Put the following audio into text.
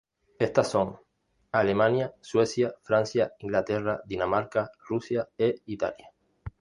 Éstas son: Alemania, Suecia, Francia, Inglaterra, Dinamarca, Rusia e Italia.